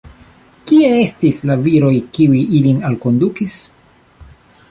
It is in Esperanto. Kie estas la viroj, kiuj ilin alkondukis?